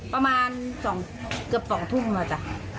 ประมาณเกือบ๒ทุ่มเหมือนกัน